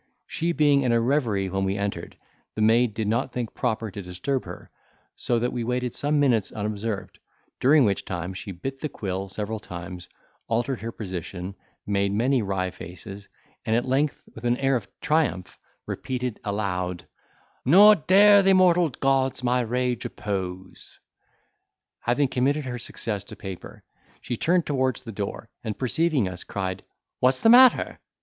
She being in a reverie when we entered, the maid did not think proper to disturb her; so that we waited some minutes unobserved, during which time she bit the quill several times, altered her position, made many wry faces, and, at length, with an air of triumph, repeated aloud: "Nor dare th'immortal gods my rage oppose!" Having committed her success to paper, she turned towards the door, and perceiving us, cried, "What's the matter?"